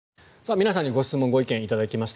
皆さんにご質問・ご意見頂きました。